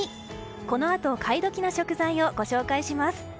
このあと買い時の食材をご紹介します。